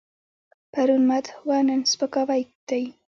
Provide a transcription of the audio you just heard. پرون مدح وه، نن سپکاوی دی.